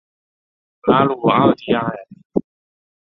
拉鲁奥迪埃。